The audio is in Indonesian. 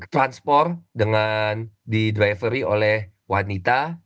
transport dengan di drivery oleh wanita